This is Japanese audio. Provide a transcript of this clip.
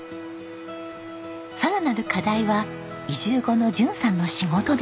さらなる課題は移住後の淳さんの仕事でした。